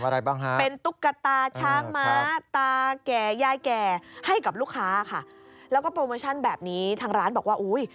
แถมอะไรบ้างคะ